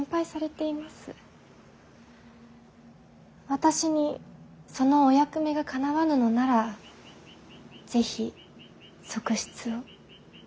私にそのお役目がかなわぬのなら是非側室を。